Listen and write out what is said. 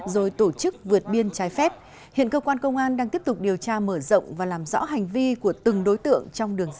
rồi tổ chức vượt biên trái phép hiện cơ quan công an đang tiếp tục điều tra mở rộng và làm rõ hành vi của từng đối tượng trong đường dây